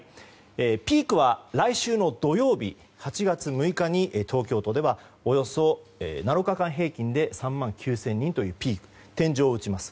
ピークは来週の土曜日８月６日に東京都ではおよそ７日間平均で３万９０００人というピーク天井を打ちます。